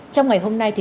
trong ngày hôm nay